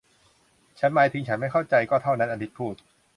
ฉันหมายถึงฉันไม่เข้าใจ ก็เท่านั้น อลิซพูด